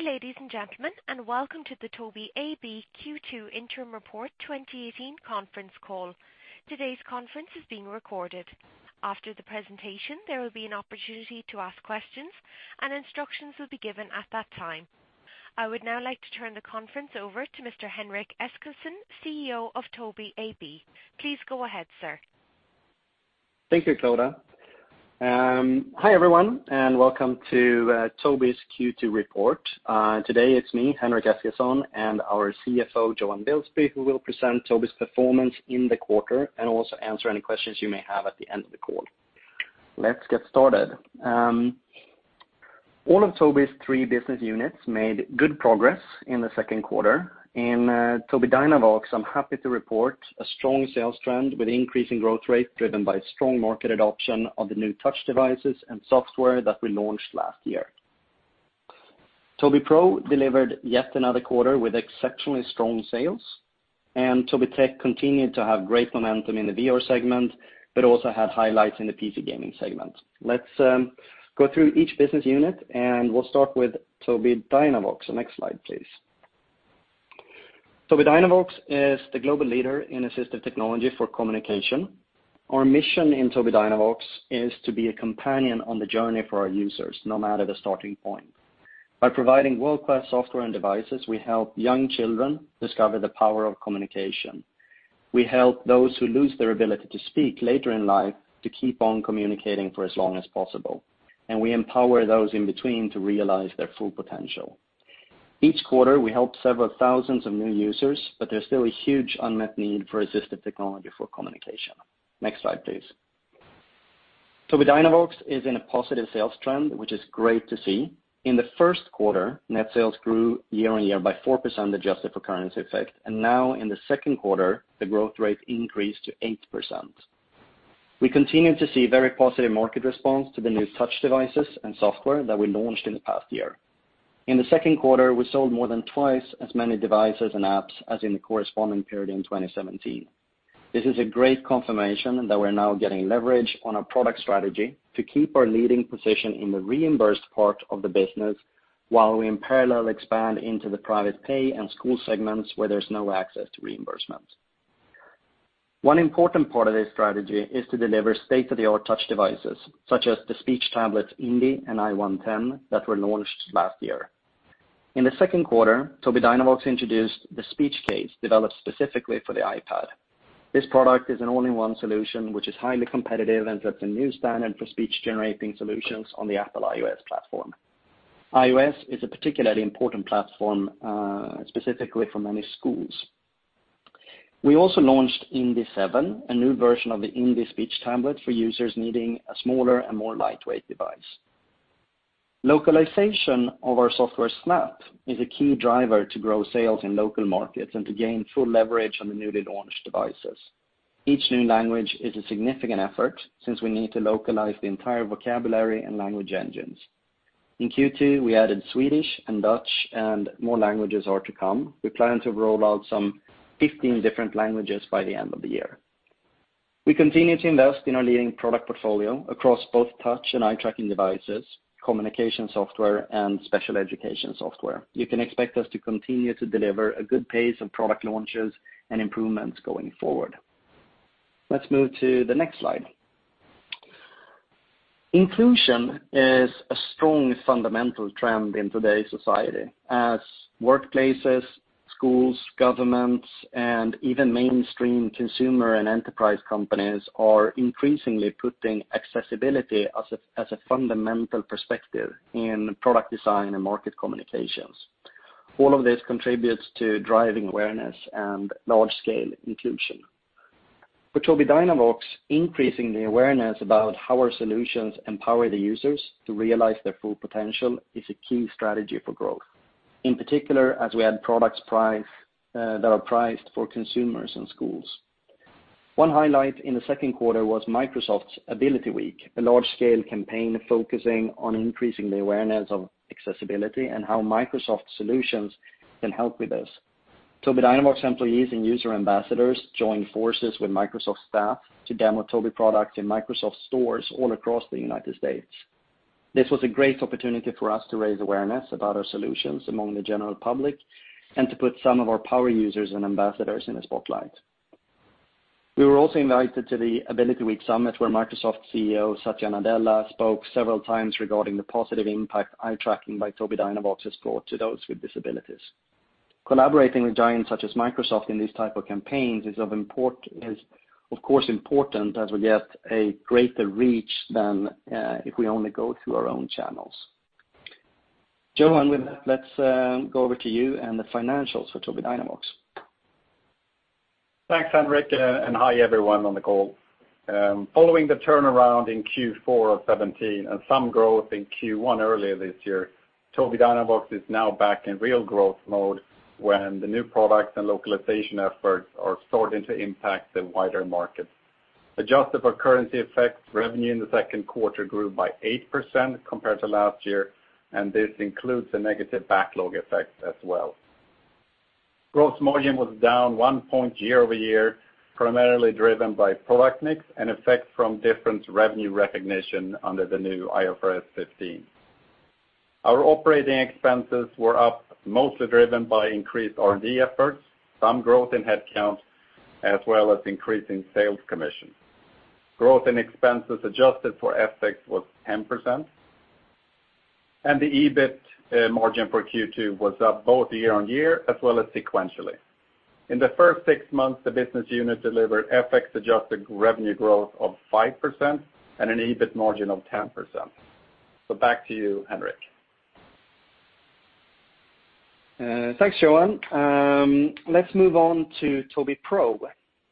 Good day ladies and gentlemen, and welcome to the Tobii AB Q2 Interim Report 2018 conference call. Today's conference is being recorded. After the presentation, there will be an opportunity to ask questions, and instructions will be given at that time. I would now like to turn the conference over to Mr. Henrik Eskilsson, CEO of Tobii AB. Please go ahead, sir. Thank you, Clodagh. Hi everyone, and welcome to Tobii's Q2 report. Today it's me, Henrik Eskilsson, and our CFO, Johan Wilsby, who will present Tobii's performance in the quarter and also answer any questions you may have at the end of the call. Let's get started. All of Tobii's three business units made good progress in the second quarter. In Tobii Dynavox, I'm happy to report a strong sales trend with increasing growth rate driven by strong market adoption of the new touch devices and software that we launched last year. Tobii Pro delivered yet another quarter with exceptionally strong sales, and Tobii Tech continued to have great momentum in the VR segment, but also had highlights in the PC gaming segment. Let's go through each business unit, and we'll start with Tobii Dynavox. Next slide, please. Tobii Dynavox is the global leader in assistive technology for communication. Our mission in Tobii Dynavox is to be a companion on the journey for our users, no matter the starting point. By providing world-class software and devices, we help young children discover the power of communication. We help those who lose their ability to speak later in life to keep on communicating for as long as possible. We empower those in between to realize their full potential. Each quarter, we help several thousands of new users, but there's still a huge unmet need for assistive technology for communication. Next slide, please. Tobii Dynavox is in a positive sales trend, which is great to see. In the first quarter, net sales grew year-over-year by 4% adjusted for currency effect, and now in the second quarter, the growth rate increased to 8%. We continue to see very positive market response to the new touch devices and software that we launched in the past year. In the second quarter, we sold more than twice as many devices and apps as in the corresponding period in 2017. This is a great confirmation that we're now getting leverage on our product strategy to keep our leading position in the reimbursed part of the business, while we in parallel expand into the private pay and school segments where there's no access to reimbursement. One important part of this strategy is to deliver state-of-the-art touch devices, such as the speech tablets Indi and I-110 that were launched last year. In the second quarter, Tobii Dynavox introduced the Speech Case, developed specifically for the iPad. This product is an all-in-one solution, which is highly competitive and sets a new standard for speech-generating solutions on the Apple iOS platform. iOS is a particularly important platform, specifically for many schools. We also launched Indi 7, a new version of the Indi speech tablet for users needing a smaller and more lightweight device. Localization of our software Snap is a key driver to grow sales in local markets and to gain full leverage on the newly launched devices. Each new language is a significant effort since we need to localize the entire vocabulary and language engines. In Q2, we added Swedish and Dutch, and more languages are to come. We plan to roll out some 15 different languages by the end of the year. We continue to invest in our leading product portfolio across both touch and eye tracking devices, communication software, and special education software. You can expect us to continue to deliver a good pace of product launches and improvements going forward. Let's move to the next slide. Inclusion is a strong fundamental trend in today's society as workplaces, schools, governments, and even mainstream consumer and enterprise companies are increasingly putting accessibility as a fundamental perspective in product design and market communications. All of this contributes to driving awareness and large-scale inclusion. For Tobii Dynavox, increasing the awareness about how our solutions empower the users to realize their full potential is a key strategy for growth, in particular, as we add products that are priced for consumers and schools. One highlight in the second quarter was Microsoft's Ability Week, a large-scale campaign focusing on increasing the awareness of accessibility and how Microsoft solutions can help with this. Tobii Dynavox employees and user ambassadors joined forces with Microsoft staff to demo Tobii products in Microsoft stores all across the U.S. This was a great opportunity for us to raise awareness about our solutions among the general public and to put some of our power users and ambassadors in the spotlight. We were also invited to the Ability Week Summit, where Microsoft CEO Satya Nadella spoke several times regarding the positive impact eye tracking by Tobii Dynavox has brought to those with disabilities. Collaborating with giants such as Microsoft in these type of campaigns is of course important as we get a greater reach than if we only go through our own channels. Johan, with that, let's go over to you and the financials for Tobii Dynavox. Thanks, Henrik, and hi, everyone on the call. Following the turnaround in Q4 of 2017 and some growth in Q1 earlier this year, Tobii Dynavox is now back in real growth mode when the new products and localization efforts are starting to impact the wider market. Adjusted for currency effect, revenue in the second quarter grew by 8% compared to last year, and this includes a negative backlog effect as well. Gross margin was down one point year-over-year, primarily driven by product mix and effect from different revenue recognition under the new IFRS 15. Our operating expenses were up, mostly driven by increased R&D efforts, some growth in headcount, as well as increasing sales commissions. Growth in expenses adjusted for FX was 10%, and the EBIT margin for Q2 was up both year-on-year as well as sequentially. In the first six months, the business unit delivered FX-adjusted revenue growth of 5% and an EBIT margin of 10%. Back to you, Henrik. Thanks, Johan. Let's move on to Tobii Pro.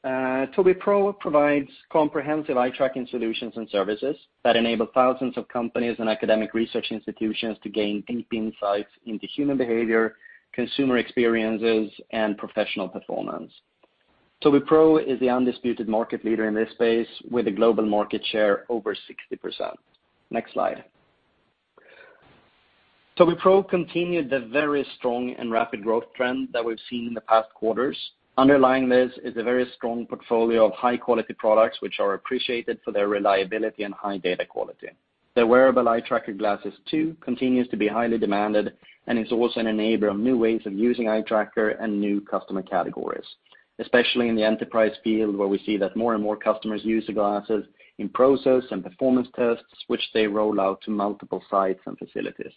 Tobii Pro provides comprehensive eye-tracking solutions and services that enable thousands of companies and academic research institutions to gain deep insights into human behavior, consumer experiences, and professional performance. Tobii Pro is the undisputed market leader in this space, with a global market share over 60%. Next slide. Tobii Pro continued the very strong and rapid growth trend that we've seen in the past quarters. Underlying this is a very strong portfolio of high-quality products, which are appreciated for their reliability and high data quality. The wearable eye tracker Glasses 2 continues to be highly demanded and is also an enabler of new ways of using eye tracker and new customer categories, especially in the enterprise field, where we see that more and more customers use the glasses in process and performance tests, which they roll out to multiple sites and facilities.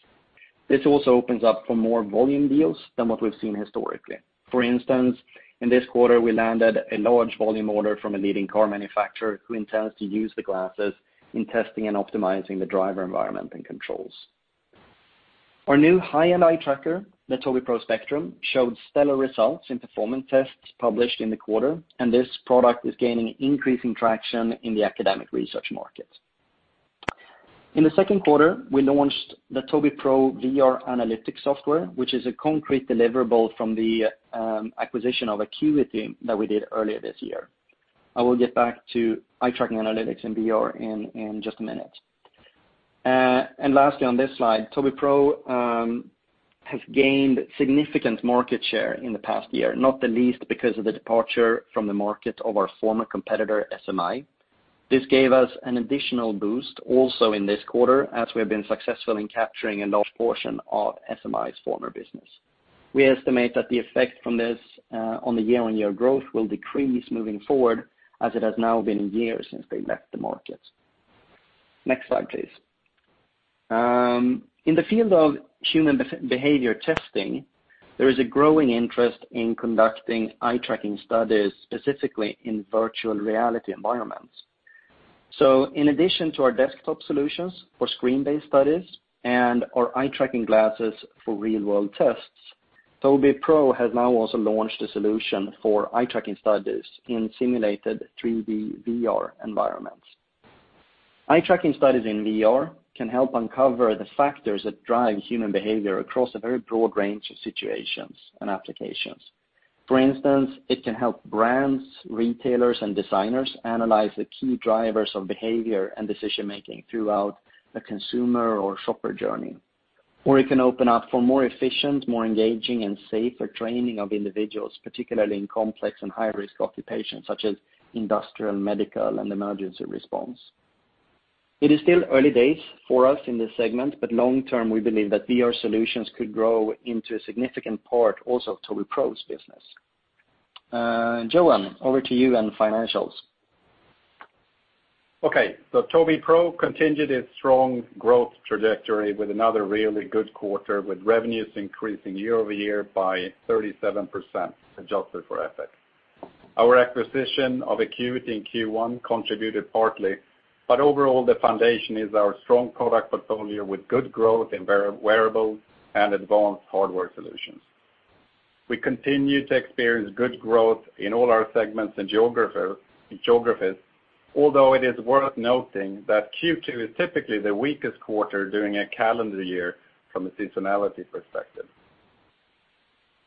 This also opens up for more volume deals than what we've seen historically. For instance, in this quarter, we landed a large volume order from a leading car manufacturer who intends to use the glasses in testing and optimizing the driver environment and controls. Our new high-end eye tracker, the Tobii Pro Spectrum, showed stellar results in performance tests published in the quarter, and this product is gaining increasing traction in the academic research market. In the second quarter, we launched the Tobii Pro VR Analytics software, which is a concrete deliverable from the acquisition of Acuity that we did earlier this year. I will get back to eye tracking analytics and VR in just a minute. Lastly, on this slide, Tobii Pro has gained significant market share in the past year, not the least because of the departure from the market of our former competitor, SMI. This gave us an additional boost also in this quarter, as we have been successful in capturing a large portion of SMI's former business. We estimate that the effect from this on the year-on-year growth will decrease moving forward, as it has now been a year since they left the market. Next slide, please. In the field of human behavior testing, there is a growing interest in conducting eye-tracking studies, specifically in virtual reality environments. In addition to our desktop solutions for screen-based studies and our eye-tracking glasses for real-world tests, Tobii Pro has now also launched a solution for eye-tracking studies in simulated 3D VR environments. Eye-tracking studies in VR can help uncover the factors that drive human behavior across a very broad range of situations and applications. For instance, it can help brands, retailers, and designers analyze the key drivers of behavior and decision-making throughout the consumer or shopper journey. It can open up for more efficient, more engaging, and safer training of individuals, particularly in complex and high-risk occupations such as industrial, medical, and emergency response. It is still early days for us in this segment, but long term, we believe that VR solutions could grow into a significant part also of Tobii Pro's business. Johan, over to you on financials. Tobii Pro continued its strong growth trajectory with another really good quarter, with revenues increasing year-over-year by 37%, adjusted for FX. Our acquisition of Acuity in Q1 contributed partly, but overall, the foundation is our strong product portfolio with good growth in wearables and advanced hardware solutions. We continue to experience good growth in all our segments and geographies, although it is worth noting that Q2 is typically the weakest quarter during a calendar year from a seasonality perspective.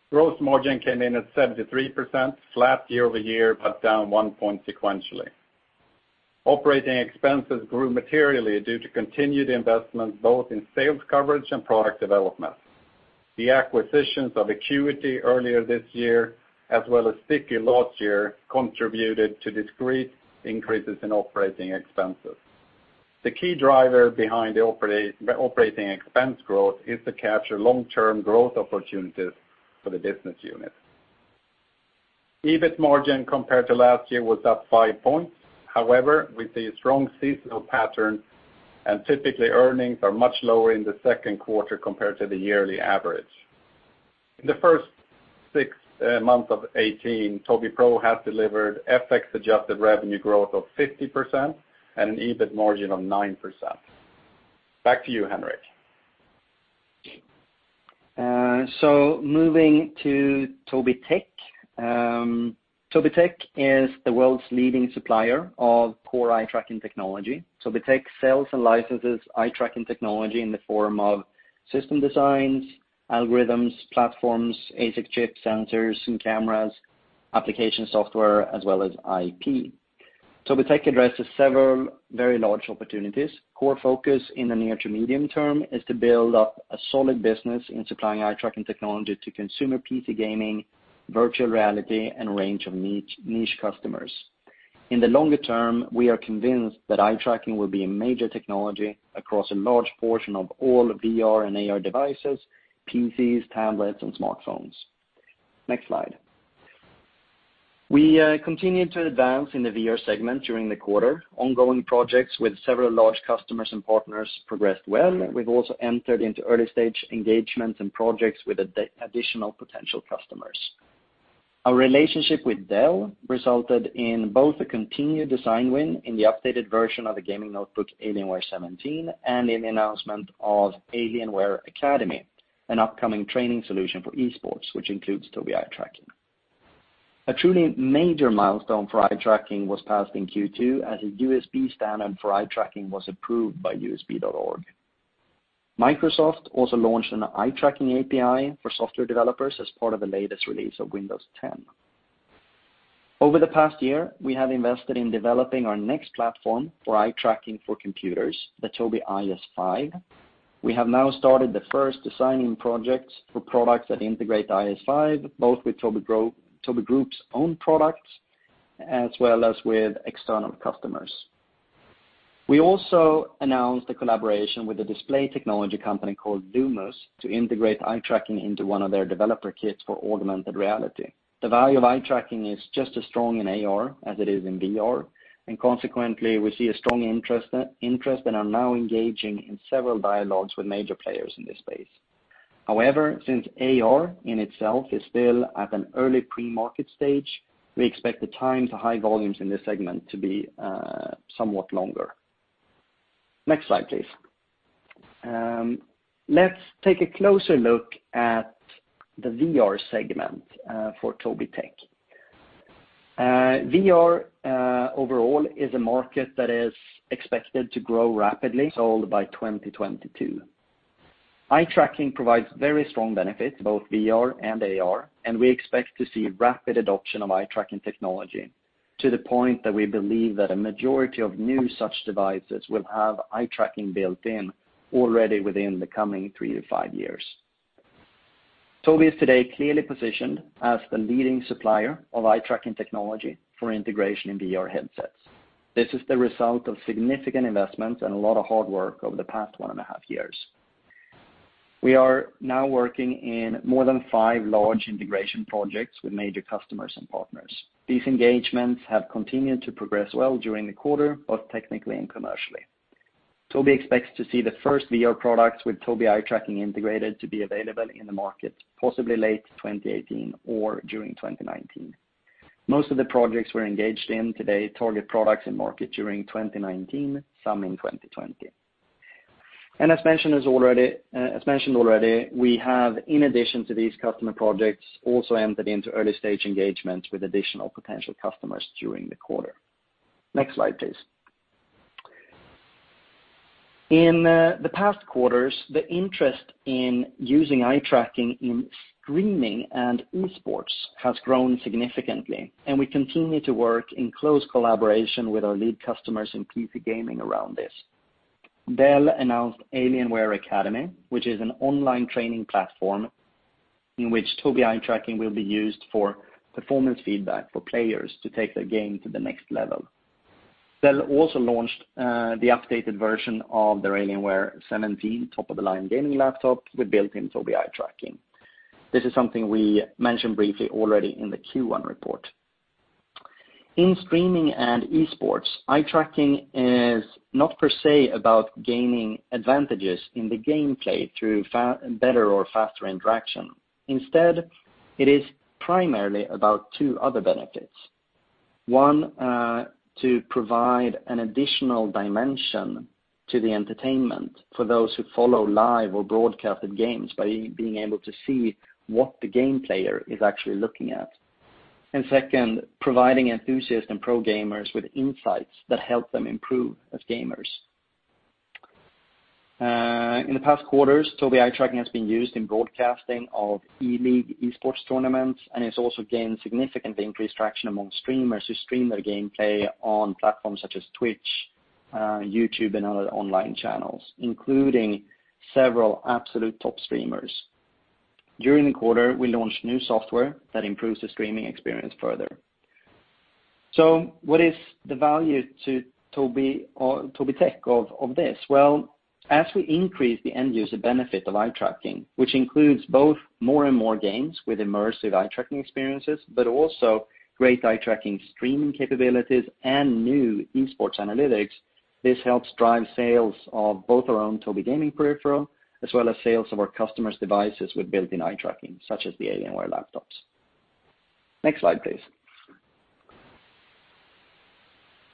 Gross margin came in at 73%, flat year-over-year, but down one point sequentially. Operating expenses grew materially due to continued investments both in sales coverage and product development. The acquisitions of Acuity earlier this year, as well as Sticky last year, contributed to discrete increases in operating expenses. The key driver behind the operating expense growth is to capture long-term growth opportunities for the business unit. EBIT margin compared to last year was up five points. However, we see a strong seasonal pattern, and typically earnings are much lower in the second quarter compared to the yearly average. In the first six months of 2018, Tobii Pro has delivered FX-adjusted revenue growth of 50% and an EBIT margin of 9%. Back to you, Henrik. Moving to Tobii Tech. Tobii Tech is the world's leading supplier of core eye-tracking technology. Tobii Tech sells and licenses eye-tracking technology in the form of system designs, algorithms, platforms, ASIC chip centers, and cameras, application software, as well as IP. Tobii Tech addresses several very large opportunities. Core focus in the near to medium term is to build up a solid business in supplying eye-tracking technology to consumer PC gaming, virtual reality, and range of niche customers. In the longer term, we are convinced that eye tracking will be a major technology across a large portion of all VR and AR devices, PCs, tablets, and smartphones. Next slide. We continued to advance in the VR segment during the quarter. Ongoing projects with several large customers and partners progressed well. We've also entered into early-stage engagements and projects with additional potential customers. Our relationship with Dell resulted in both a continued design win in the updated version of the gaming notebook, Alienware 17, and in the announcement of Alienware Academy, an upcoming training solution for esports, which includes Tobii eye tracking. A truly major milestone for eye tracking was passed in Q2 as a USB standard for eye tracking was approved by USB-IF. Microsoft also launched an eye tracking API for software developers as part of the latest release of Windows 10. Over the past year, we have invested in developing our next platform for eye tracking for computers, the Tobii IS5. We have now started the first designing projects for products that integrate the IS5, both with Tobii Group's own products as well as with external customers. We also announced a collaboration with a display technology company called Lumus to integrate eye tracking into one of their developer kits for augmented reality. The value of eye tracking is just as strong in AR as it is in VR, consequently, we see a strong interest and are now engaging in several dialogues with major players in this space. However, since AR in itself is still at an early pre-market stage, we expect the time to high volumes in this segment to be somewhat longer. Next slide, please. Let's take a closer look at the VR segment for Tobii Tech. VR overall is a market that is expected to grow rapidly, sold by 2022. Eye tracking provides very strong benefits, both VR and AR, we expect to see rapid adoption of eye tracking technology to the point that we believe that a majority of new such devices will have eye tracking built in already within the coming three to five years. Tobii is today clearly positioned as the leading supplier of eye tracking technology for integration in VR headsets. This is the result of significant investments and a lot of hard work over the past one and a half years. We are now working in more than five large integration projects with major customers and partners. These engagements have continued to progress well during the quarter, both technically and commercially. Tobii expects to see the first VR products with Tobii eye tracking integrated to be available in the market possibly late 2018 or during 2019. Most of the projects we're engaged in today target products in market during 2019, some in 2020. As mentioned already, we have, in addition to these customer projects, also entered into early-stage engagements with additional potential customers during the quarter. Next slide, please. In the past quarters, the interest in using eye tracking in streaming and esports has grown significantly, we continue to work in close collaboration with our lead customers in PC gaming around this. Dell announced Alienware Academy, which is an online training platform in which Tobii eye tracking will be used for performance feedback for players to take their game to the next level. Dell also launched the updated version of their Alienware 17 top-of-the-line gaming laptop with built-in Tobii eye tracking. This is something we mentioned briefly already in the Q1 report. In streaming and esports, eye tracking is not per se about gaining advantages in the gameplay through better or faster interaction. Instead, it is primarily about two other benefits. One, to provide an additional dimension to the entertainment for those who follow live or broadcasted games by being able to see what the game player is actually looking at. Second, providing enthusiasts and pro gamers with insights that help them improve as gamers. In the past quarters, Tobii eye tracking has been used in broadcasting of ELEAGUE esports tournaments. It's also gained significantly increased traction among streamers who stream their gameplay on platforms such as Twitch, YouTube, and other online channels, including several absolute top streamers. During the quarter, we launched new software that improves the streaming experience further. What is the value to Tobii Tech of this? As we increase the end-user benefit of eye tracking, which includes both more and more games with immersive eye-tracking experiences, but also great eye tracking streaming capabilities and new esports analytics, this helps drive sales of both our own Tobii gaming peripheral, as well as sales of our customers' devices with built-in eye tracking, such as the Alienware laptops. Next slide, please.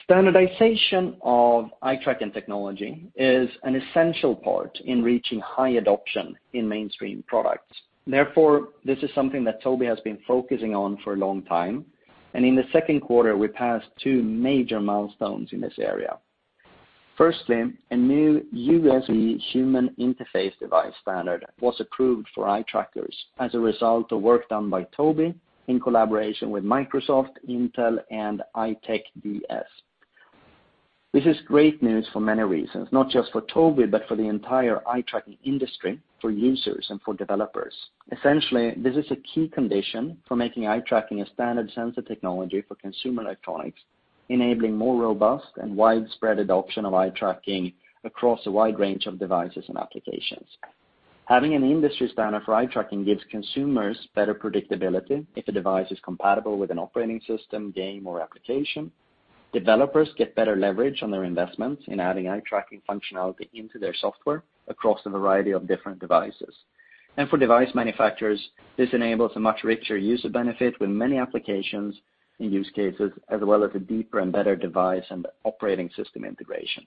Standardization of eye tracking technology is an essential part in reaching high adoption in mainstream products. This is something that Tobii has been focusing on for a long time. In the second quarter, we passed two major milestones in this area. Firstly, a new USB Human Interface Device standard was approved for eye trackers as a result of work done by Tobii in collaboration with Microsoft, Intel, and EyeTech DS. This is great news for many reasons, not just for Tobii, but for the entire eye tracking industry, for users and for developers. Essentially, this is a key condition for making eye tracking a standard sensor technology for consumer electronics, enabling more robust and widespread adoption of eye tracking across a wide range of devices and applications. Having an industry standard for eye tracking gives consumers better predictability if a device is compatible with an operating system, game, or application. Developers get better leverage on their investments in adding eye tracking functionality into their software across a variety of different devices. For device manufacturers, this enables a much richer user benefit with many applications and use cases, as well as a deeper and better device and operating system integration.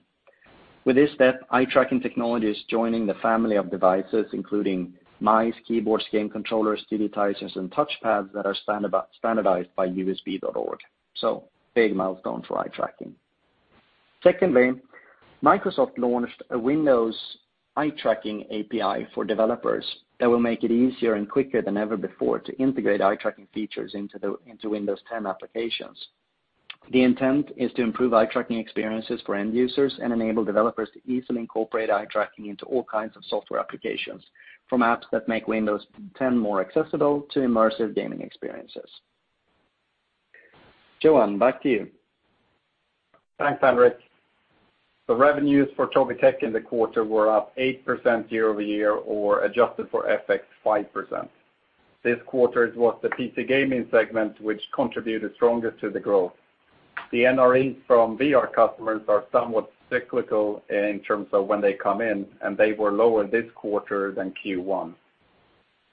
With this step, eye tracking technology is joining the family of devices, including mice, keyboards, game controllers, digitizers, and touchpads that are standardized by usb.org. Big milestone for eye tracking. Secondly, Microsoft launched a Windows eye tracking API for developers that will make it easier and quicker than ever before to integrate eye tracking features into Windows 10 applications. The intent is to improve eye tracking experiences for end users and enable developers to easily incorporate eye tracking into all kinds of software applications, from apps that make Windows 10 more accessible to immersive gaming experiences. Johan, back to you. Thanks, Henrik. The revenues for Tobii Tech in the quarter were up 8% year-over-year or, adjusted for FX, 5%. This quarter was the PC gaming segment which contributed strongest to the growth. The NRE from VR customers are somewhat cyclical in terms of when they come in, and they were lower this quarter than Q1.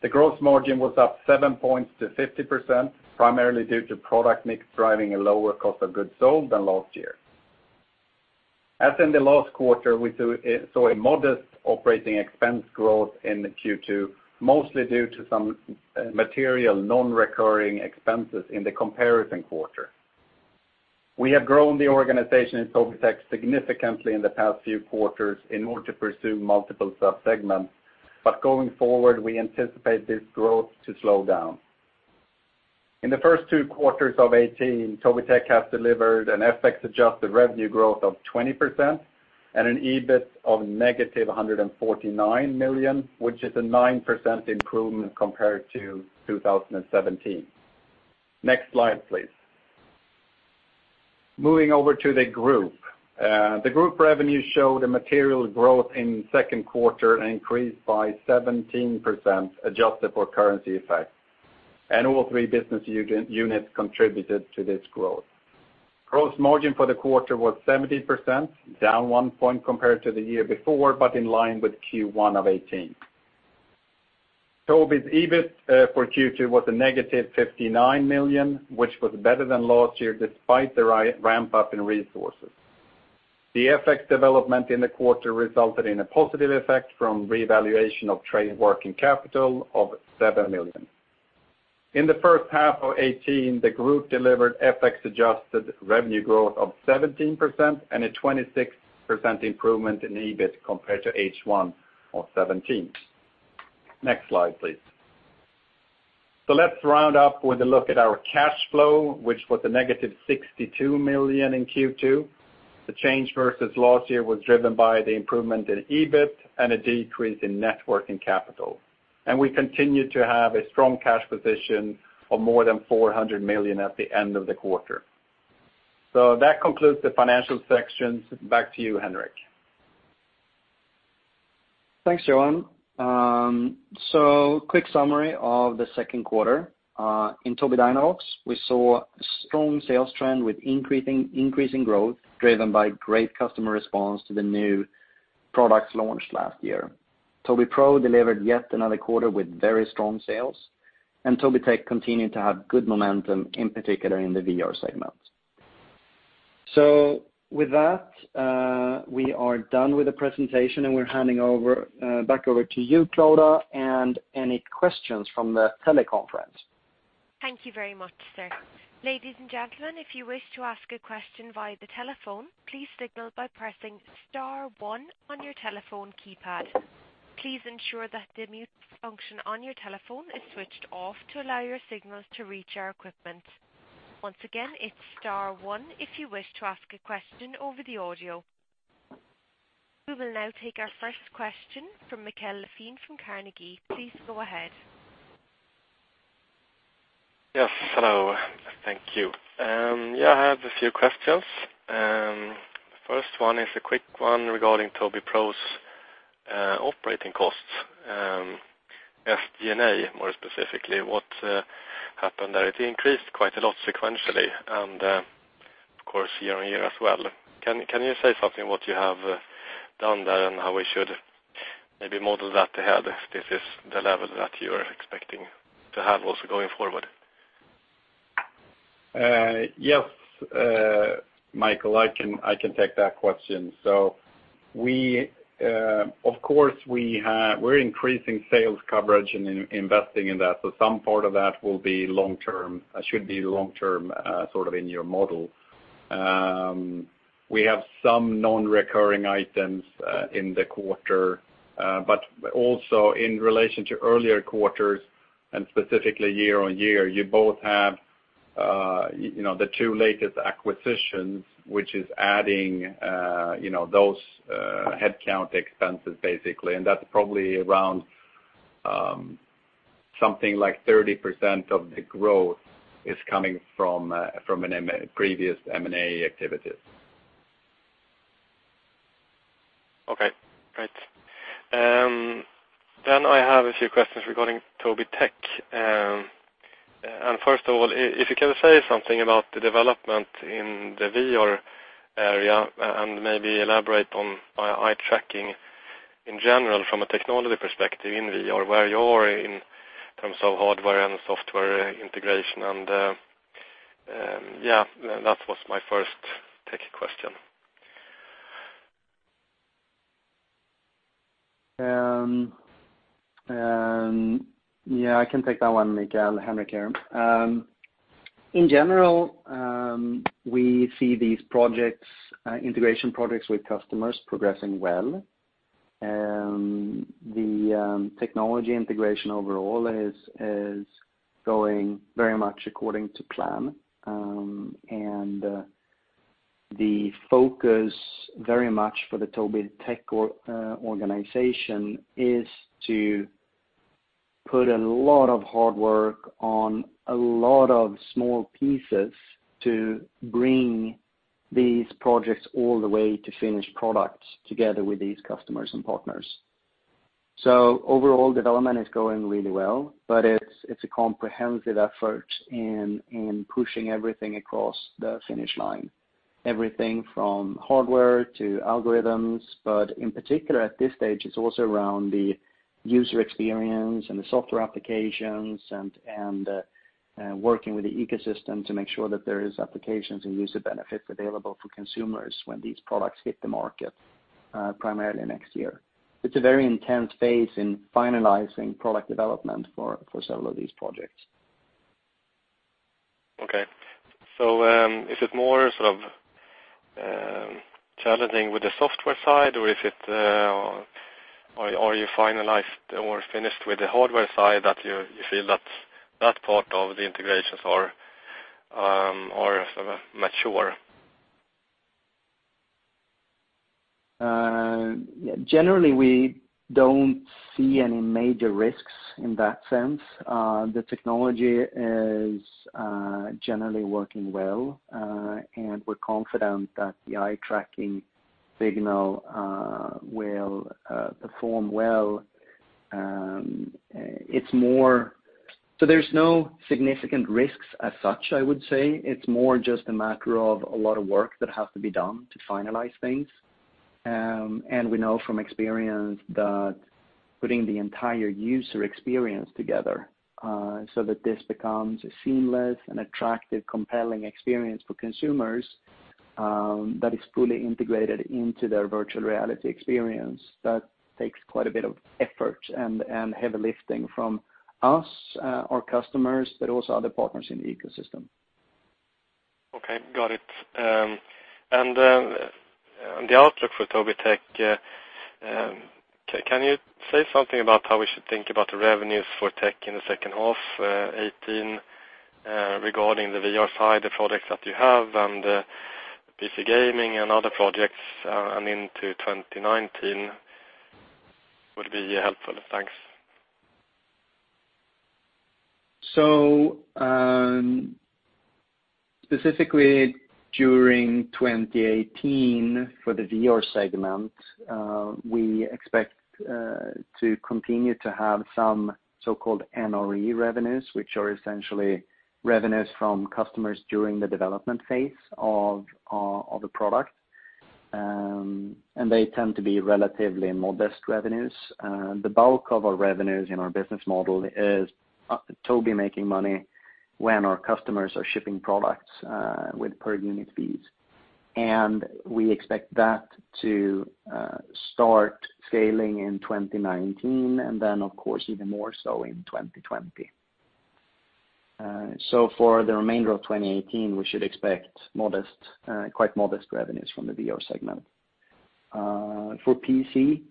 The gross margin was up 7 points to 50%, primarily due to product mix driving a lower cost of goods sold than last year. As in the last quarter, we saw a modest operating expense growth in the Q2, mostly due to some material non-recurring expenses in the comparison quarter. We have grown the organization in Tobii Tech significantly in the past few quarters in order to pursue multiple sub-segments, but going forward, we anticipate this growth to slow down. In the first two quarters of 2018, Tobii Tech has delivered an FX-adjusted revenue growth of 20% and an EBIT of negative 149 million, which is a 9% improvement compared to 2017. Next slide, please. Moving over to the group. The group revenue showed a material growth in the second quarter, an increase by 17%, adjusted for currency effect, and all three business units contributed to this growth. Gross margin for the quarter was 70%, down 1 point compared to the year before, but in line with Q1 of 2018. Tobii's EBIT for Q2 was a negative 59 million, which was better than last year despite the ramp-up in resources. The FX development in the quarter resulted in a positive effect from revaluation of trade working capital of 7 million. In the first half of 2018, the group delivered FX-adjusted revenue growth of 17% and a 26% improvement in EBIT compared to H1 of 2017. Next slide, please. Let's round up with a look at our cash flow, which was a negative 62 million in Q2. The change versus last year was driven by the improvement in EBIT and a decrease in net working capital. We continue to have a strong cash position of more than 400 million at the end of the quarter. That concludes the financial section. Back to you, Henrik. Thanks, Johan. Quick summary of the second quarter. In Tobii Dynavox, we saw a strong sales trend with increasing growth driven by great customer response to the new products launched last year. Tobii Pro delivered yet another quarter with very strong sales, and Tobii Tech continued to have good momentum, in particular in the VR segment. With that, we are done with the presentation, and we're handing back over to you, Clodagh, and any questions from the teleconference. Thank you very much, sir. Ladies and gentlemen, if you wish to ask a question via the telephone, please signal by pressing *1 on your telephone keypad. Please ensure that the mute function on your telephone is switched off to allow your signals to reach our equipment. Once again, it's *1 if you wish to ask a question over the audio. We will now take our first question from Mikael Laséen from Carnegie. Please go ahead. Yes. Hello. Thank you. Yeah, I have a few questions. First one is a quick one regarding Tobii Pro's operating costs. SG&A, more specifically, what happened there? It increased quite a lot sequentially and, of course, year-on-year as well. Can you say something what you have done there and how we should maybe model that ahead if this is the level that you are expecting to have also going forward? Yes, Mikael, I can take that question. Of course, we're increasing sales coverage and investing in that. Some part of that should be long-term, in your model. We have some non-recurring items in the quarter, but also in relation to earlier quarters and specifically year-on-year, you both have the two latest acquisitions, which is adding those headcount expenses, basically. That's probably around something like 30% of the growth is coming from previous M&A activities. Okay, great. I have a few questions regarding Tobii Tech. First of all, if you can say something about the development in the VR area and maybe elaborate on eye tracking in general from a technology perspective in VR, where you are in terms of hardware and software integration. That was my first tech question. I can take that one, Mikael. Henrik here. In general, we see these integration projects with customers progressing well. The technology integration overall is going very much according to plan. The focus very much for the Tobii Tech organization is to put a lot of hard work on a lot of small pieces to bring these projects all the way to finished products together with these customers and partners. Overall development is going really well, but it's a comprehensive effort in pushing everything across the finish line, everything from hardware to algorithms. In particular, at this stage, it's also around the user experience and the software applications and working with the ecosystem to make sure that there is applications and user benefits available for consumers when these products hit the market, primarily next year. It's a very intense phase in finalizing product development for several of these projects. Okay. Is it more challenging with the software side, or are you finalized or finished with the hardware side that you feel that part of the integrations are mature? Generally, we don't see any major risks in that sense. The technology is generally working well, and we're confident that the eye tracking signal will perform well. There's no significant risks as such, I would say. It's more just a matter of a lot of work that has to be done to finalize things. We know from experience that putting the entire user experience together, so that this becomes a seamless and attractive, compelling experience for consumers that is fully integrated into their virtual reality experience, that takes quite a bit of effort and heavy lifting from us, our customers, but also other partners in the ecosystem. Okay, got it. The outlook for Tobii Tech, can you say something about how we should think about the revenues for Tech in the second half 2018, regarding the VR side, the products that you have and PC gaming and other projects and into 2019 would be helpful? Thanks. Specifically during 2018 for the VR segment, we expect to continue to have some so-called NRE revenues, which are essentially revenues from customers during the development phase of the product. They tend to be relatively modest revenues. The bulk of our revenues in our business model is Tobii making money when our customers are shipping products with per unit fees. We expect that to start scaling in 2019, and then, of course, even more so in 2020. For the remainder of 2018, we should expect quite modest revenues from the VR segment. For PC,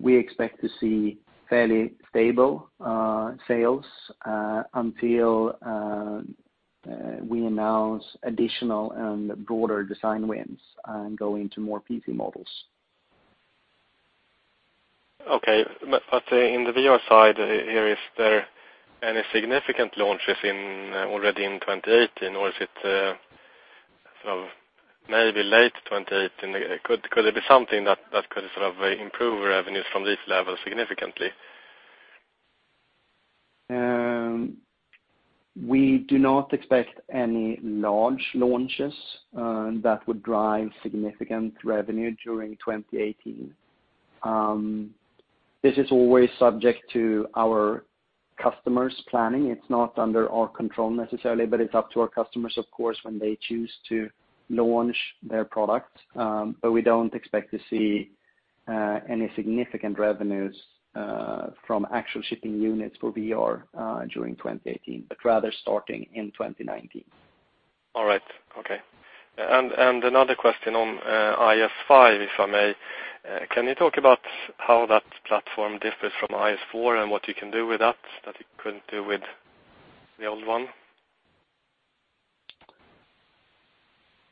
we expect to see fairly stable sales until we announce additional and broader design wins and go into more PC models. Okay. In the VR side here, is there any significant launches already in 2018, or is it maybe late 2018? Could there be something that could improve revenues from this level significantly? We do not expect any large launches that would drive significant revenue during 2018. This is always subject to our customers' planning. It's not under our control necessarily, but it's up to our customers, of course, when they choose to launch their products. We don't expect to see any significant revenues from actual shipping units for VR during 2018, but rather starting in 2019. All right. Okay. Another question on IS5, if I may. Can you talk about how that platform differs from IS4 and what you can do with that you couldn't do with the old one?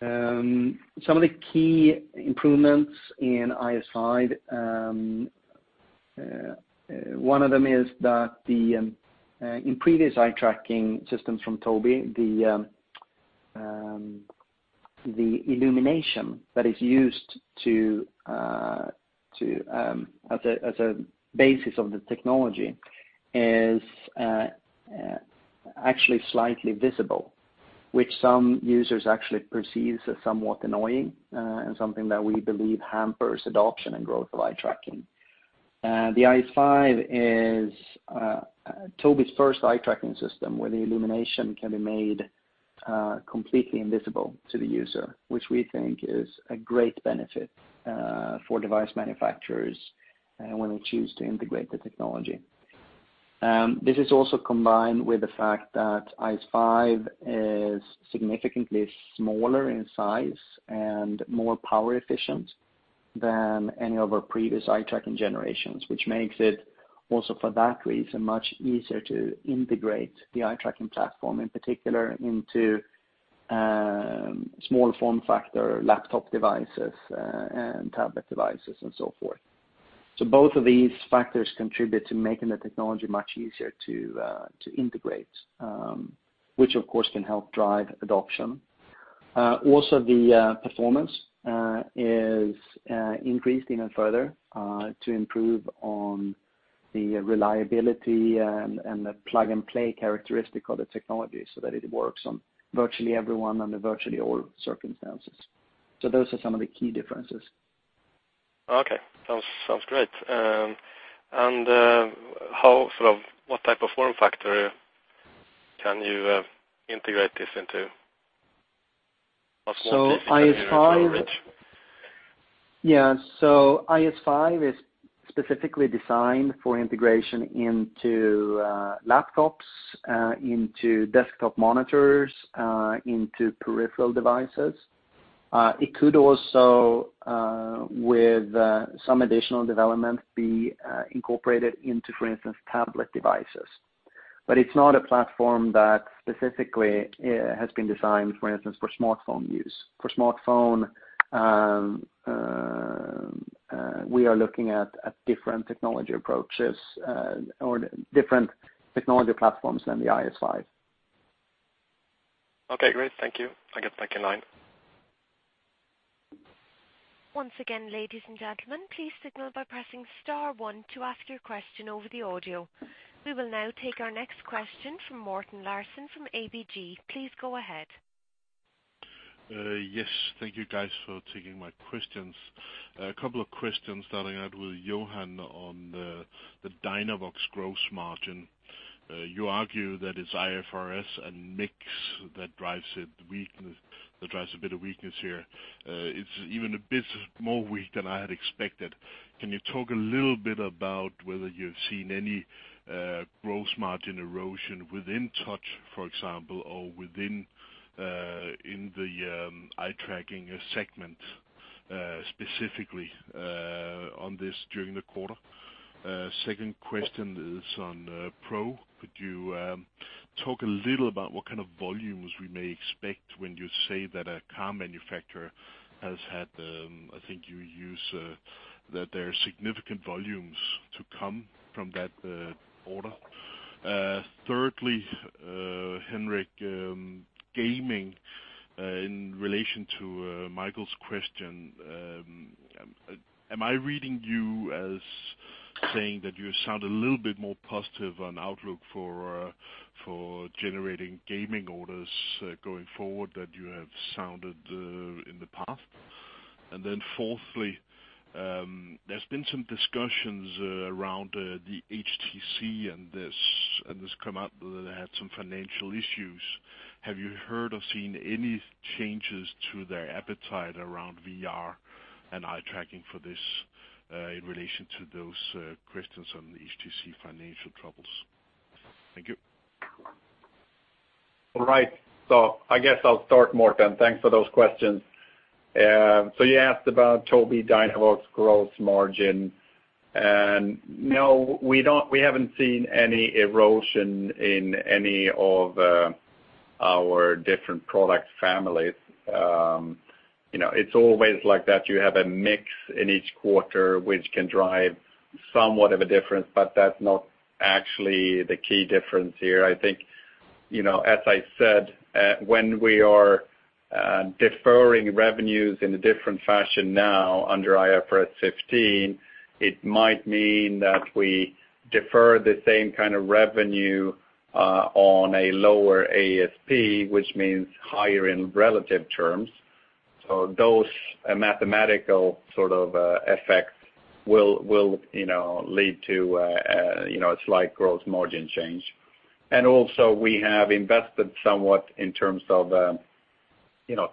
Some of the key improvements in IS5, one of them is that in previous eye-tracking systems from Tobii, the illumination that is used as a basis of the technology is actually slightly visible, which some users actually perceive as somewhat annoying and something that we believe hampers adoption and growth of eye-tracking. The IS5 is Tobii's first eye-tracking system, where the illumination can be made completely invisible to the user, which we think is a great benefit for device manufacturers when they choose to integrate the technology. This is also combined with the fact that IS5 is significantly smaller in size and more power efficient than any of our previous eye-tracking generations, which makes it, also for that reason, much easier to integrate the eye-tracking platform, in particular into small form factor laptop devices and tablet devices and so forth. Both of these factors contribute to making the technology much easier to integrate, which, of course, can help drive adoption. Also, the performance is increased even further to improve on the reliability and the plug-and-play characteristic of the technology, so that it works on virtually everyone under virtually all circumstances. Those are some of the key differences. Okay. Sounds great. What type of form factor can you integrate this into? What's more efficient, if you know which? Yeah. IS5 is specifically designed for integration into laptops, into desktop monitors, into peripheral devices. It could also, with some additional development, be incorporated into, for instance, tablet devices. It's not a platform that specifically has been designed, for instance, for smartphone use. For smartphone, we are looking at different technology approaches or different technology platforms than the IS5. Okay, great. Thank you. I get back in line. Once again, ladies and gentlemen, please signal by pressing star one to ask your question over the audio. We will now take our next question from Morten Larsen from ABG. Please go ahead. Yes. Thank you guys for taking my questions. A couple of questions starting out with Johan on the Tobii Dynavox gross margin. You argue that it's IFRS and mix that drives a bit of weakness here. It's even a bit more weak than I had expected. Can you talk a little bit about whether you've seen any gross margin erosion within touch, for example, or within the eye-tracking segment, specifically, on this during the quarter? Second question is on Tobii Pro. Could you talk a little about what kind of volumes we may expect when you say that a car manufacturer has had, I think you use, that there are significant volumes to come from that order. Thirdly, Henrik, gaming in relation to Mikael's question. Fourthly, there's been some discussions around the HTC and this come up that had some financial issues. Have you heard or seen any changes to their appetite around VR and eye-tracking for this, in relation to those questions on the HTC financial troubles? Thank you. All right. I guess I'll start, Morten. Thanks for those questions. You asked about Tobii Dynavox gross margin. No, we haven't seen any erosion in any of our different product families. It's always like that. You have a mix in each quarter, which can drive somewhat of a difference, but that's not actually the key difference here. I think, as I said, when we are deferring revenues in a different fashion now under IFRS 15, it might mean that we defer the same kind of revenue on a lower ASP, which means higher in relative terms. Those mathematical effects will lead to a slight gross margin change. Also, we have invested somewhat in terms of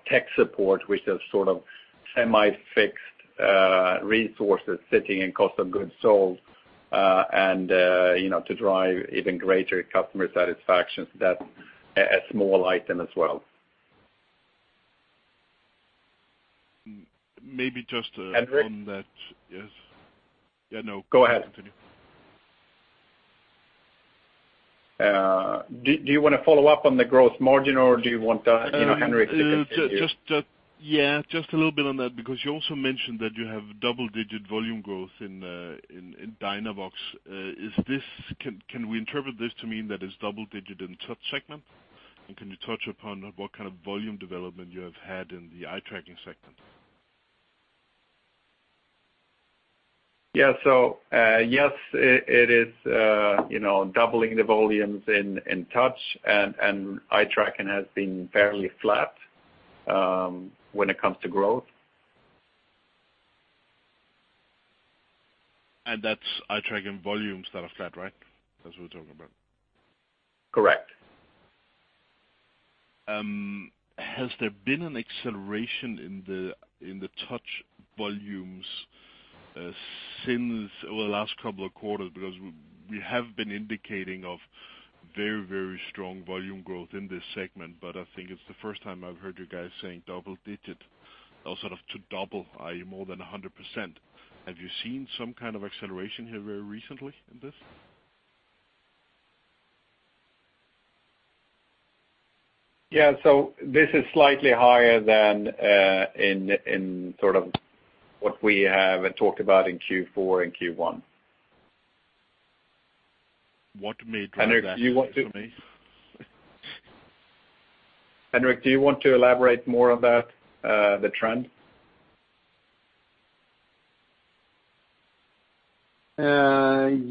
tech support, which is sort of semi-fixed resources sitting in cost of goods sold, and to drive even greater customer satisfaction. That's a small item as well. Maybe just to- Henrik? On that. Yes. Yeah, no. Go ahead. Continue. Do you want to follow up on the gross margin, or do you want Henrik to continue? Yeah, just a little bit on that, because you also mentioned that you have double-digit volume growth in Dynavox. Can we interpret this to mean that it's double-digit in touch segment? Can you touch upon what kind of volume development you have had in the eye-tracking segment? Yeah. Yes, it is doubling the volumes in touch, and eye-tracking has been fairly flat, when it comes to growth. That's eye-tracking volumes that are flat, right? That's what we're talking about. Correct. Has there been an acceleration in the touch volumes since, or the last couple of quarters? We have been indicating of very strong volume growth in this segment, I think it's the first time I've heard you guys saying double digits or to double, i.e., more than 100%. Have you seen some kind of acceleration here very recently in this? Yeah. This is slightly higher than in what we have talked about in Q4 and Q1. What made that- Henrik, do you want to- For me. Henrik, do you want to elaborate more on that, the trend?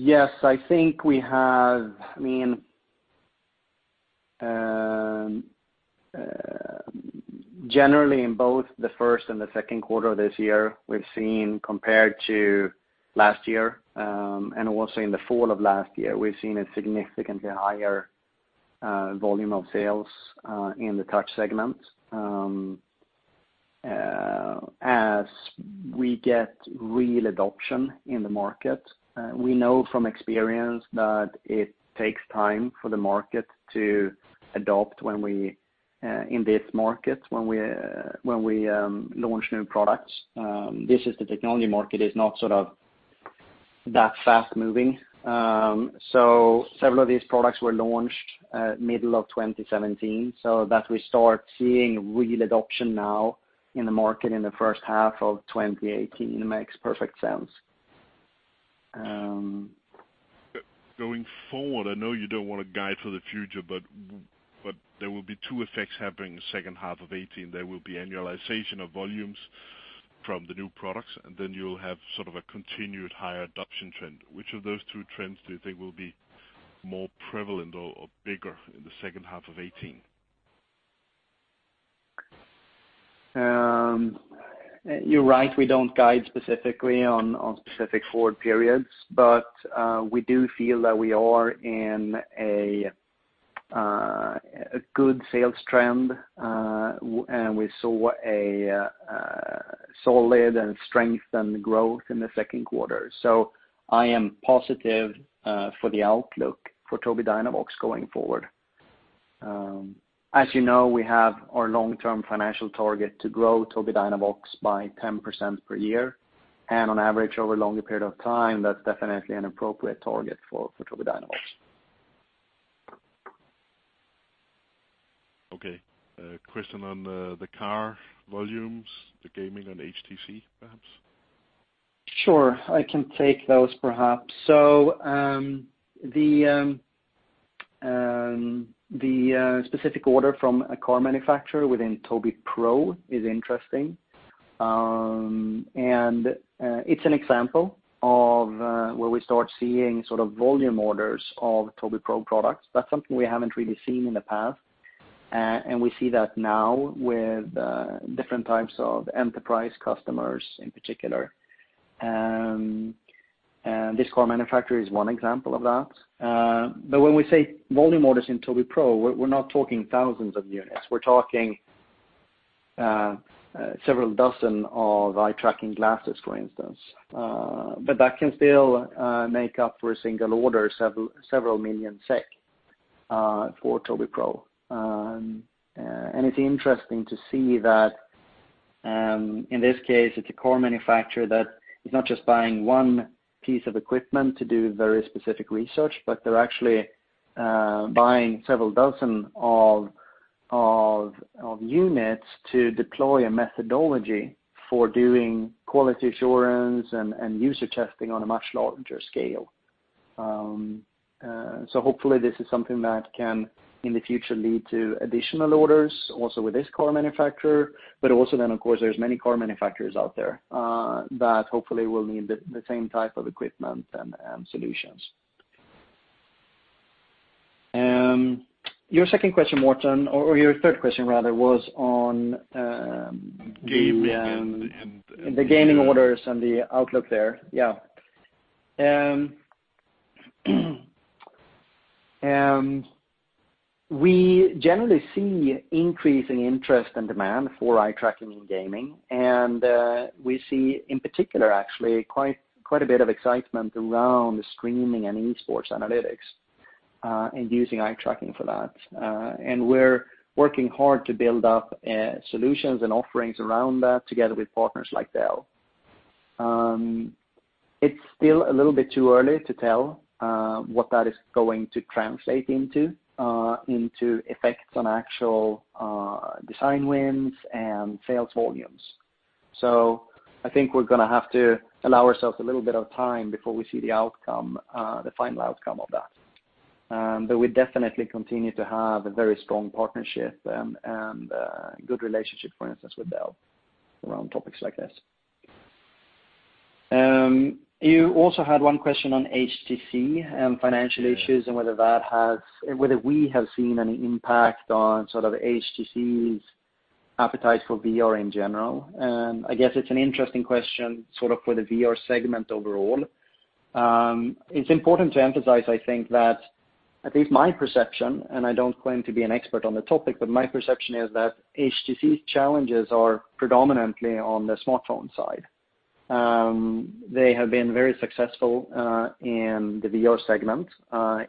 Yes. I think we have, generally in both the first and the second quarter of this year, we've seen compared to last year, and also in the fall of last year, we've seen a significantly higher volume of sales in the touch segment, as we get real adoption in the market. We know from experience that it takes time for the market to adopt in this market when we launch new products. This is the technology market, it's not that fast-moving. Several of these products were launched middle of 2017, so that we start seeing real adoption now in the market in the first half of 2018 makes perfect sense. Going forward, I know you don't want to guide for the future, there will be 2 effects happening in the second half of 2018. There will be annualization of volumes from the new products, you'll have a continued higher adoption trend. Which of those 2 trends do you think will be more prevalent or bigger in the second half of 2018? You're right, we don't guide specifically on specific forward periods, we do feel that we are in a good sales trend. We saw a solid and strengthened growth in the second quarter. I am positive for the outlook for Tobii Dynavox going forward. As you know, we have our long-term financial target to grow Tobii Dynavox by 10% per year. On average, over a longer period of time, that's definitely an appropriate target for Tobii Dynavox. Okay. A question on the car volumes, the gaming, and HTC, perhaps. Sure. I can take those, perhaps. The specific order from a car manufacturer within Tobii Pro is interesting. It's an example of where we start seeing volume orders of Tobii Pro products. That's something we haven't really seen in the past. We see that now with different types of enterprise customers in particular. This car manufacturer is one example of that. When we say volume orders in Tobii Pro, we're not talking thousands of units. We're talking several dozen of eye-tracking glasses, for instance. That can still make up for a single order, several million SEK for Tobii Pro. It's interesting to see that, in this case, it's a car manufacturer that is not just buying one piece of equipment to do very specific research, but they're actually buying several dozen of units to deploy a methodology for doing quality assurance and user testing on a much larger scale. Hopefully, this is something that can, in the future, lead to additional orders also with this car manufacturer. Of course, there's many car manufacturers out there, that hopefully will need the same type of equipment and solutions. Your second question, Morten, or your third question rather, was on- Gaming and- The gaming orders and the outlook there. We generally see increasing interest and demand for eye tracking in gaming. We see, in particular actually, quite a bit of excitement around streaming and e-sports analytics and using eye tracking for that. We're working hard to build up solutions and offerings around that together with partners like Dell. It's still a little bit too early to tell what that is going to translate into effects on actual design wins and sales volumes. I think we're going to have to allow ourselves a little bit of time before we see the final outcome of that. We definitely continue to have a very strong partnership and a good relationship, for instance, with Dell around topics like this. You also had one question on HTC and financial issues and whether we have seen any impact on sort of HTC's appetite for VR in general. I guess it's an interesting question sort of for the VR segment overall. It's important to emphasize, I think, at least my perception, and I don't claim to be an expert on the topic, but my perception is that HTC's challenges are predominantly on the smartphone side. They have been very successful in the VR segment,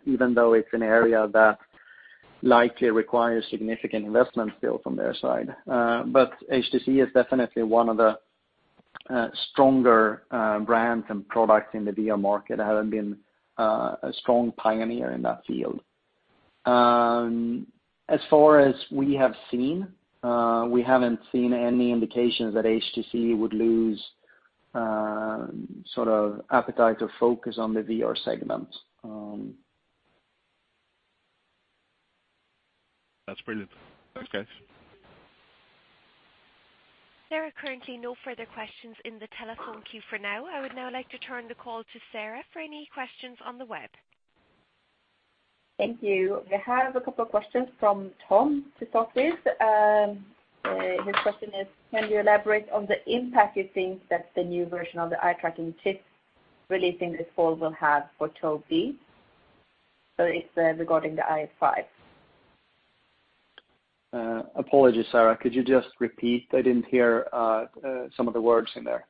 even though it's an area that likely requires significant investment still from their side. HTC is definitely one of the stronger brands and products in the VR market, having been a strong pioneer in that field. As far as we have seen, we haven't seen any indications that HTC would lose sort of appetite or focus on the VR segment. That's brilliant. Thanks, guys. There are currently no further questions in the telephone queue for now. I would now like to turn the call to Sarah for any questions on the web. Thank you. We have a couple of questions from Tom to start with. His question is, "Can you elaborate on the impact you think that the new version of the eye tracking chip releasing this fall will have for Tobii?" It's regarding the IS5. Apologies, Sarah, could you just repeat? I didn't hear some of the words in there.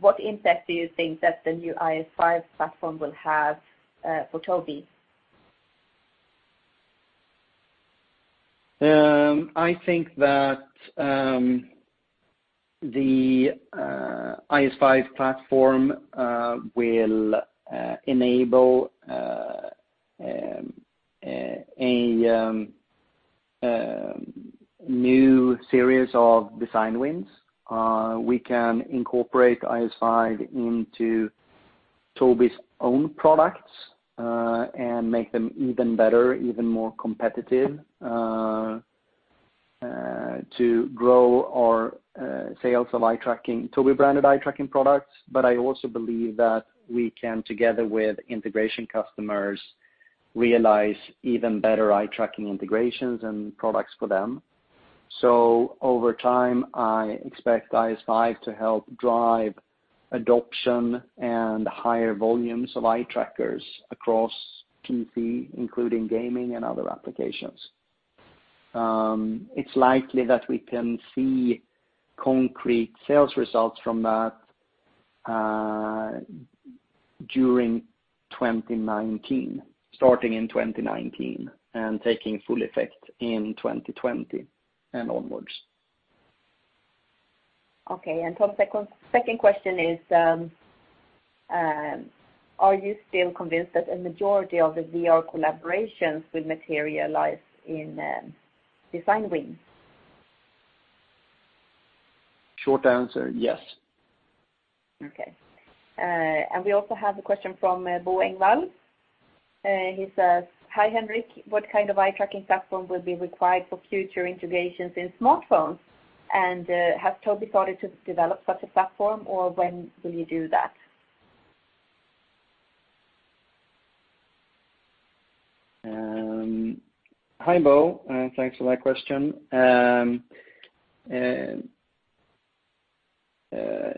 What impact do you think that the new IS5 platform will have for Tobii? I think that the IS5 platform will enable a new series of design wins. We can incorporate IS5 into Tobii's own products and make them even better, even more competitive to grow our sales of eye-tracking, Tobii-branded eye-tracking products. I also believe that we can, together with integration customers, realize even better eye-tracking integrations and products for them. Over time, I expect IS5 to help drive adoption and higher volumes of eye trackers across PC, including gaming and other applications. It's likely that we can see concrete sales results from that during 2019, starting in 2019 and taking full effect in 2020 and onwards. Okay. Tom's second question is, "Are you still convinced that a majority of the VR collaborations will materialize in design wins? Short answer, yes. Okay. We also have a question from Bo Engvall. He says, "Hi, Henrik. What kind of eye-tracking platform will be required for future integrations in smartphones? Has Tobii started to develop such a platform, or when will you do that? Hi, Bo. Thanks for that question.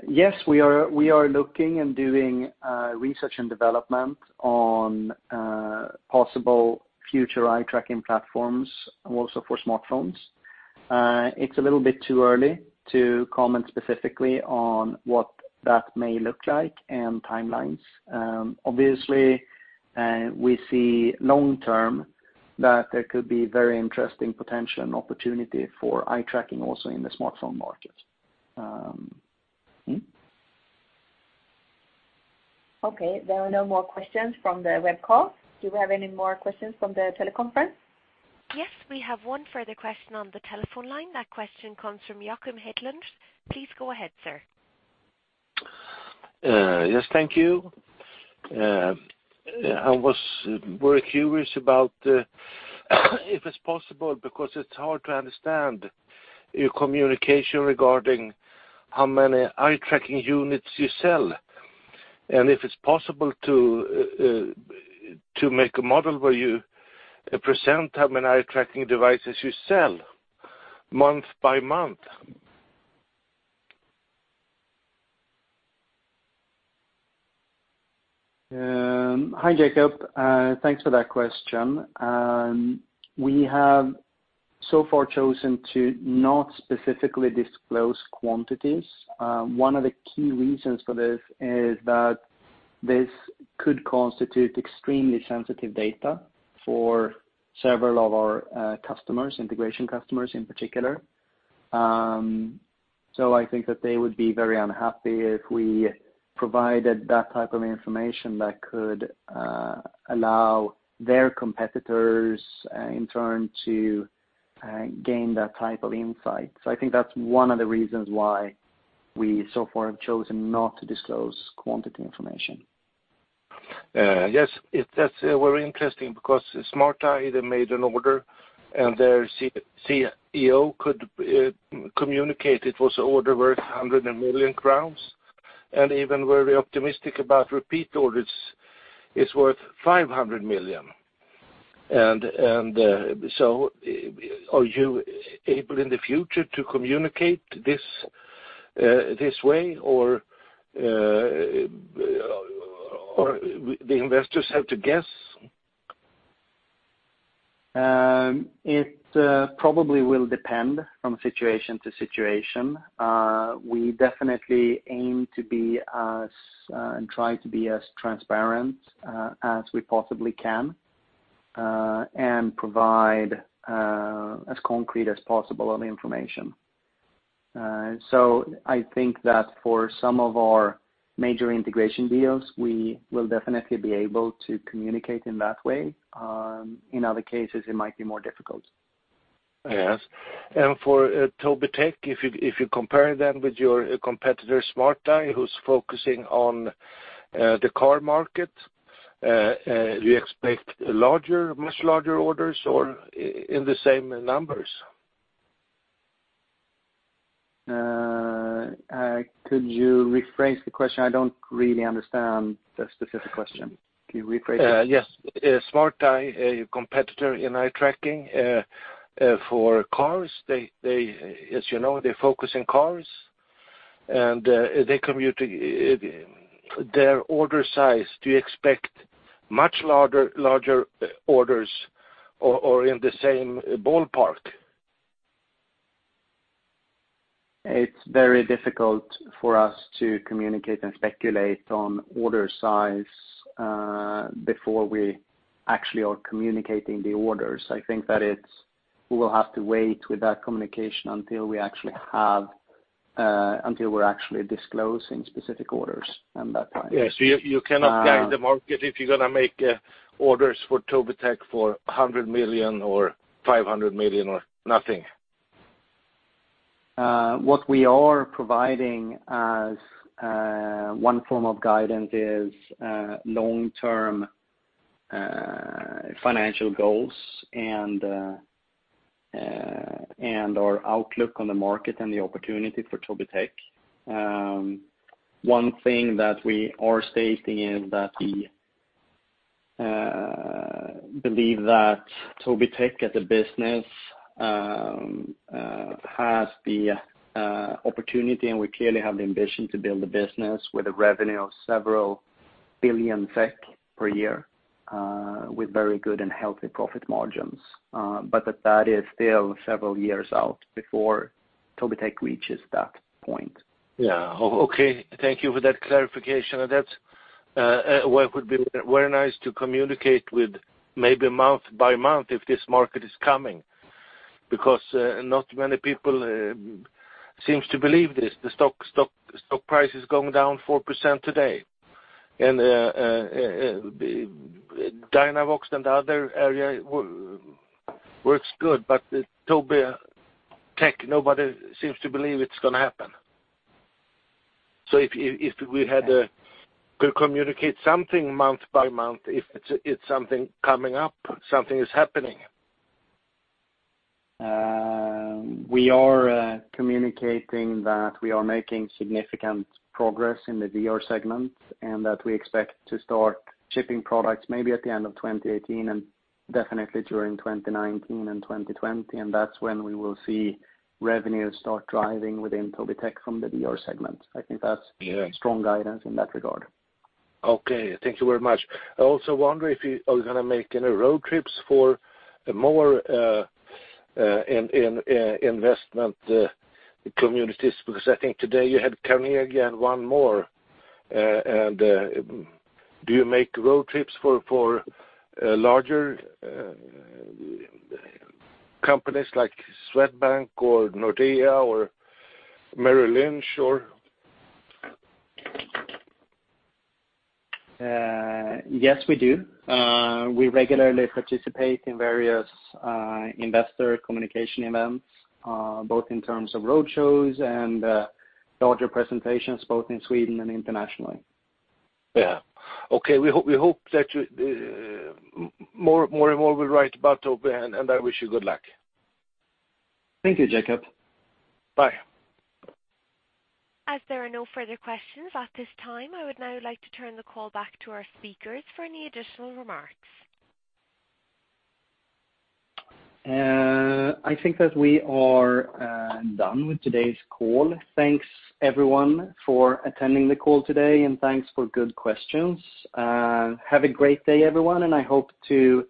Yes, we are looking and doing research and development on possible future eye-tracking platforms also for smartphones. It's a little bit too early to comment specifically on what that may look like and timelines. Obviously, we see long-term that there could be very interesting potential and opportunity for eye tracking also in the smartphone market. Okay. There are no more questions from the web call. Do we have any more questions from the teleconference? Yes. We have one further question on the telephone line. That question comes from Joachim Hedlund. Please go ahead, sir. Yes. Thank you. I was very curious about If it's possible, because it's hard to understand your communication regarding how many eye tracking units you sell, if it's possible to make a model where you present how many eye tracking devices you sell month by month. Hi, Jacob. Thanks for that question. We have so far chosen to not specifically disclose quantities. One of the key reasons for this is that this could constitute extremely sensitive data for several of our customers, integration customers in particular. I think that they would be very unhappy if we provided that type of information that could allow their competitors, in turn, to gain that type of insight. I think that's one of the reasons why we so far have chosen not to disclose quantity information. Yes. That's very interesting because Smart Eye, they made an order and their CEO could communicate it was an order worth 100 million crowns, even very optimistic about repeat orders is worth SEK 500 million. Are you able in the future to communicate this way or the investors have to guess? It probably will depend from situation to situation. We definitely aim and try to be as transparent as we possibly can, and provide as concrete as possible on the information. I think that for some of our major integration deals, we will definitely be able to communicate in that way. In other cases, it might be more difficult. Yes. For Tobii Tech, if you compare them with your competitor, Smart Eye, who's focusing on the car market, do you expect much larger orders or in the same numbers? Could you rephrase the question? I don't really understand the specific question. Can you rephrase it? Yes. Smart Eye, your competitor in eye tracking for cars. As you know, they focus in cars and their order size, do you expect much larger orders or in the same ballpark? It's very difficult for us to communicate and speculate on order size before we actually are communicating the orders. I think that we will have to wait with that communication until we're actually disclosing specific orders and that time. Yes. You cannot guide the market if you're going to make orders for Tobii Tech for 100 million or 500 million or nothing. What we are providing as one form of guidance is long-term financial goals and our outlook on the market and the opportunity for Tobii Tech. One thing that we are stating is that we believe that Tobii Tech as a business has the opportunity, and we clearly have the ambition to build a business with a revenue of several billion SEK per year, with very good and healthy profit margins. That is still several years out before Tobii Tech reaches that point. Yeah. Okay. Thank you for that clarification. That would be very nice to communicate with maybe month by month if this market is coming, because not many people seems to believe this. The stock price is going down 4% today and Dynavox and the other area works good, Tobii Tech, nobody seems to believe it's going to happen. If we had to communicate something month by month, if it's something coming up, something is happening. We are communicating that we are making significant progress in the VR segment and that we expect to start shipping products maybe at the end of 2018 and definitely during 2019 and 2020, and that's when we will see revenue start driving within Tobii Tech from the VR segment. I think that's strong guidance in that regard. Okay. Thank you very much. I also wonder if you are going to make any road trips for more investment communities, because I think today you had Carnegie and one more. Do you make road trips for larger companies like Swedbank or Nordea or Merrill Lynch or? Yes, we do. We regularly participate in various investor communication events, both in terms of road shows and larger presentations, both in Sweden and internationally. Yeah. Okay. We hope that more and more will write about Tobii, and I wish you good luck. Thank you, Jacob. Bye. As there are no further questions at this time, I would now like to turn the call back to our speakers for any additional remarks. I think that we are done with today's call. Thanks everyone for attending the call today, and thanks for good questions. Have a great day, everyone, and I hope to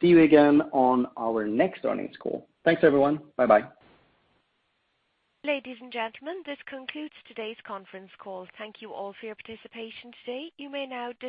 see you again on our next earnings call. Thanks everyone. Bye bye. Ladies and gentlemen, this concludes today's conference call. Thank you all for your participation today. You may now disconnect.